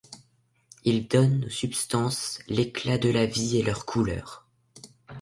Il donne aux substances l'éclat de la vie et leurs couleurs.